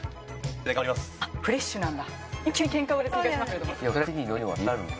あっフレッシュなんだ。